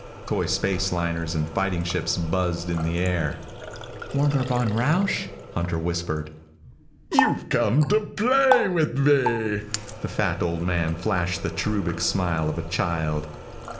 Toy space liners and fighting ships buzzed in the air. "Werner von Rausch?" Hunter whispered. "You've come to play with me!" The fat, old man flashed the cherubic smile of a child.